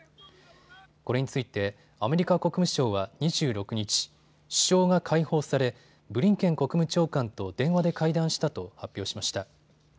これについてアメリカ国務省は２６日、首相が解放されブリンケン国務長官と電話で会談したと発表しました。